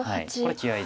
はい。